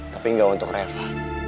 tapi gak untuk reva